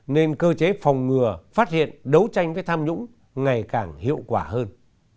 nên cơ chế phòng ngừa phát hiện đấu tranh với tham nhũng ngày càng hiệu quả hơn